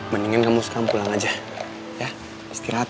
mendingan kamu sekarang pulang aja ya istirahat